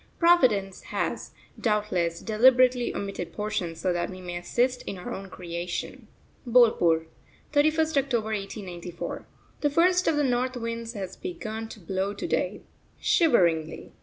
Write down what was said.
Providence has, doubtless, deliberately omitted portions so that we may assist in our own creation. BOLPUR, 31st October 1894. The first of the north winds has begun to blow to day, shiveringly.